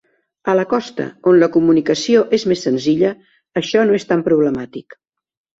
A la costa, on la comunicació és més senzilla, això no és tan problemàtic.